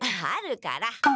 あるから。